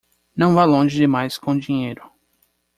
Não vá longe demais com dinheiro